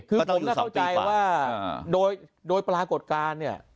คือผมน่าเข้าใจว่าโดยปรากฏการณ์เนี่ย